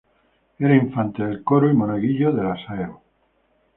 Era infante del coro y monaguillo de La Seo.